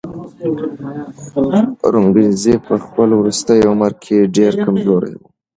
اورنګزېب په خپل وروستي عمر کې ډېر کمزوری و.